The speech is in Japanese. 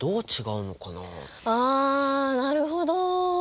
あなるほど。